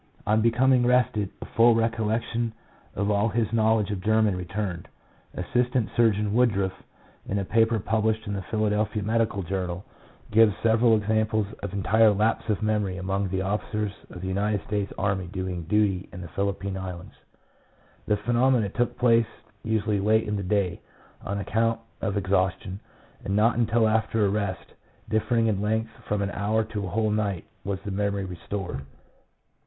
On becoming rested, a full recollection of all his knowledge of German returned. Assistant Surgeon Woodruff, in a paper published in the Philadelphia Medical Journal, gives several examples of entire lapse of memory among the officers of the United States army doing duty in the Philippine Islands. The phenomenon took place usually late in the day, on account of exhaustion, and not until after a rest differing in length from an hour to a whole night, was the memory restored.